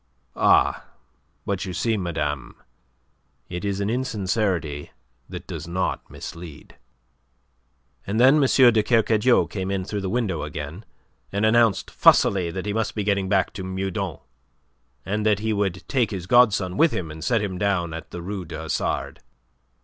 "Ah, but you see, madame, it is an insincerity that does not mislead." And then M. de Kercadiou came in through the window again, and announced fussily that he must be getting back to Meudon, and that he would take his godson with him and set him down at the Rue du Hasard.